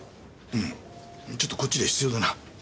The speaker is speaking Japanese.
うんちょっとこっちで必要でな。